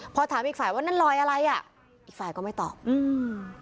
พอถามอีกฝ่ายว่านั่นรอยอะไรอ่ะอีกฝ่ายก็ไม่ตอบอืม